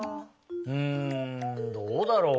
うんどうだろう？